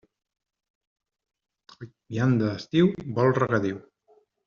Vianda d'estiu vol regadiu.